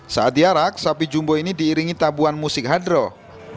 saat diarak sapi jumbo ini diiringi tabuan musik hadroh